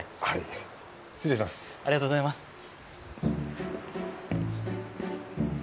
ありがとうございます。